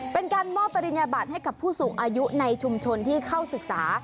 เป็นการมอบปริญญาบัติให้กับผู้สูงอายุในชุมชนที่เข้าศึกษา